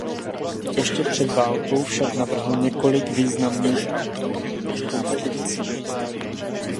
Ještě před válkou však navrhl několik významných automobilových konstrukcí.